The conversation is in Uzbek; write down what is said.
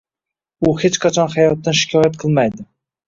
U hech qachon hayotdan shikoyat qilmaydi